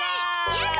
やった！